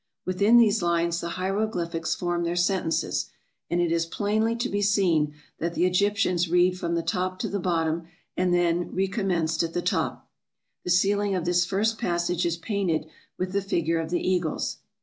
Within these lines the hieroglyphics form their sentences ; and it is plainly to be seen that the Egyptians read from the top to the bottom, and then recommenced at the top. The ceiling of this first passage is painted with the figure of the eagles.